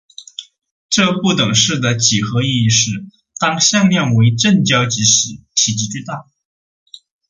这不等式的几何意义是当向量为正交集时体积最大。